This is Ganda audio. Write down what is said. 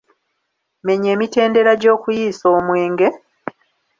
Menya emitendera gy'okuyiisa omwenge?